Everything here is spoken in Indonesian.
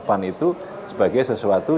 pan itu sebagai sesuatu